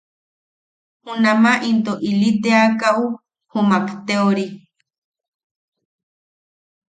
Junama itom ili teakaʼu jumak te ori.